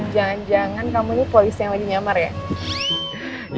jangan jangan kamu ini polisi yang lagi nyamar ya